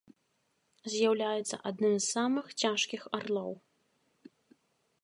З'яўляецца адным з самых цяжкіх арлоў.